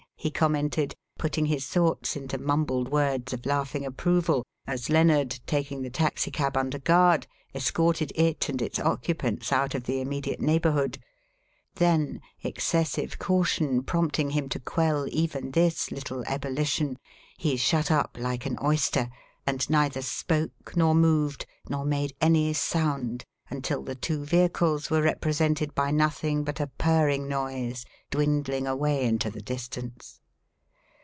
he commented, putting his thoughts into mumbled words of laughing approval, as Lennard, taking the taxicab under guard, escorted it and its occupants out of the immediate neighbourhood; then, excessive caution prompting him to quell even this little ebullition, he shut up like an oyster and neither spoke, nor moved, nor made any sound until the two vehicles were represented by nothing but a purring noise dwindling away into the distance.